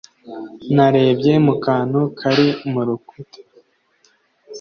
Narebye mu kantu kari mu rukuta.